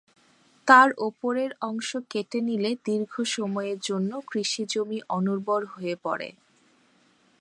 তাই ওপরের অংশ কেটে নিলে দীর্ঘ সময়ের জন্য কৃষিজমি অনুর্বর হয়ে পড়ে।